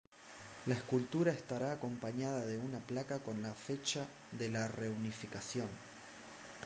La escultura estará acompañada de una placa con la fecha de la reunificación.